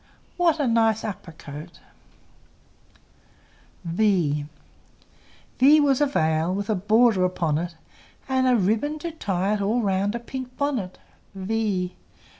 What a nice upper coat! V V was a veil With a border upon it, And a ribbon to tie it All round a pink bonnet. v!